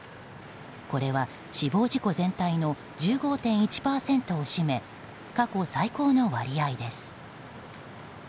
これは死亡事故全体の１５．１％を占め過去最高の割合です。